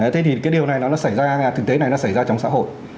thế thì cái điều này nó xảy ra thực tế này nó xảy ra trong xã hội